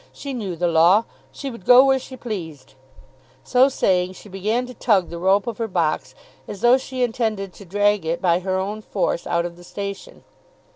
She knew the law. She would go where she pleased." So saying she began to tug the rope of her box as though she intended to drag it by her own force out of the station.